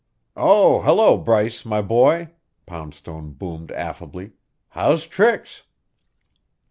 "Oh, hello, Bryce, my boy," Poundstone boomed affably. "How's tricks?"